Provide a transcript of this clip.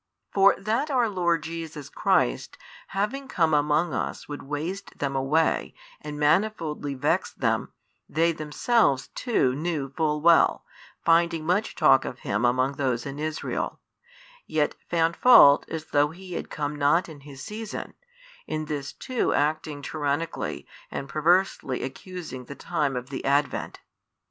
For that our Lord Jesus Christ having come among us would waste them away and manifoldly vex them, they themselves too knew full well, finding much talk of Him among those in Israel, yet found fault as though He had come not in His season, in this too acting tyrannically and perversely accusing the time of the Advent.